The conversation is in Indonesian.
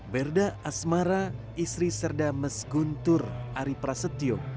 berda asmara istri serda meskuntur ari prasetyo